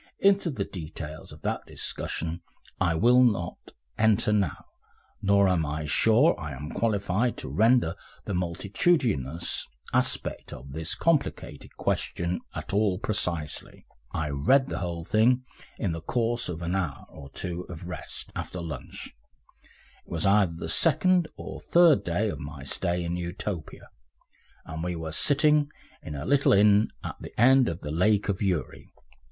Into the details of that discussion I will not enter now, nor am I sure I am qualified to render the multitudinous aspect of this complicated question at all precisely. I read the whole thing in the course of an hour or two of rest after lunch it was either the second or third day of my stay in Utopia and we were sitting in a little inn at the end of the Lake of Uri.